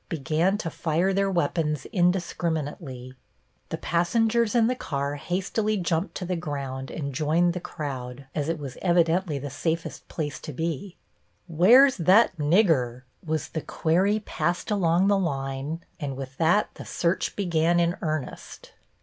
began to fire their weapons indiscriminately. The passengers in the car hastily jumped to the ground and joined the crowd, as it was evidently the safest place to be. "Where's that Nigger?" was the query passed along the line, and with that the search began in earnest.